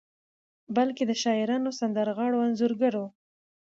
بلکې د شاعرانو، سندرغاړو، انځورګرو